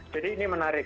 jadi ini menarik